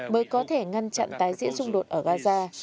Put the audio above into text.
và ngăn chặn tái diễn xung đột ở gaza